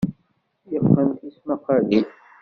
Yeqqen tismaqqalin.